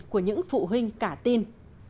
của những phụ huynh cả tin